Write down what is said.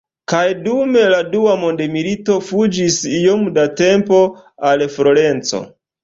Kaj dum la Dua Mondmilito fuĝis iom da tempo al Florenco.